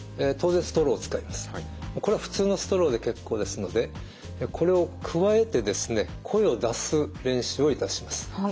これは普通のストローで結構ですのでこれをくわえて声を出す練習をいたします。